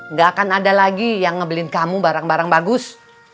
nggak akan ada lagi yang ngebelin kamu barang barang bagus